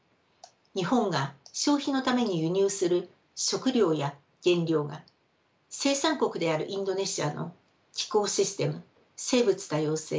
日本が消費のために輸入する食料や原料が生産国であるインドネシアの気候システム生物多様性